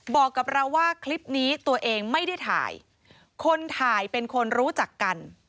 บอกกับเราว่าคลิปนี้ตัวเองไม่ได้ถ่ายคนถ่ายเป็นคนรู้จักกัน